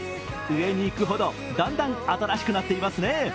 上に行くほどだんだん新しくなっていきますね。